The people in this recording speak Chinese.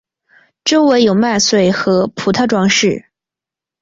周围有麦穗和葡萄装饰。